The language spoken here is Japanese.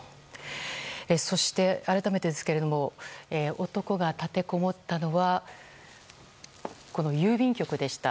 そして、改めてですけれども男が立てこもったのはこの郵便局でした。